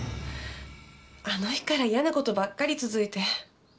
あの日から嫌な事ばっかり続いて。